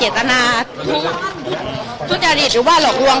ขออนุญาตครับ